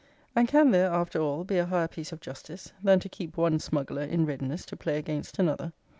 And can there, after all, be a higher piece of justice, than to keep one smuggler in readiness to play against another?